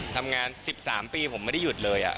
ทำงาน๑๓ปีผมไม่ได้หยุดเลย